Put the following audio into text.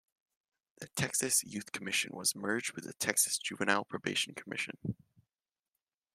The Texas Youth Commission was merged with the Texas Juvenile Probation Commission.